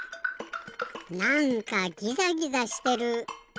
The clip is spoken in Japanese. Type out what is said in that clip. なんかギザギザしてる。